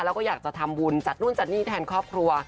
แล้วก็อยากจะทำบุญจัดนู่นจัดนี่แทนครอบครัว